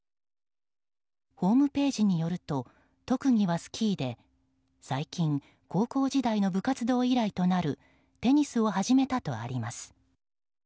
ホームページによると特技はスキーで最近高校時代の部活動以来となるテニスを始めたとあります。